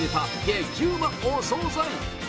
激うまお総菜。